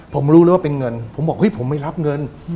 ผมรู้เลยว่าเป็นเงินผมบอกเฮ้ยผมไม่รับเงิน